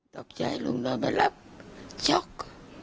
ตบใจลูกนอนมารับช็อก